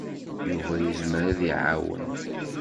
Yuba yezmer ad iɛawen.